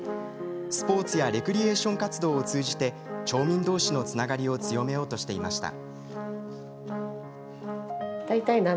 スポーツやレクリエーション活動を通じて町民どうしのつながりを強めようとしていました。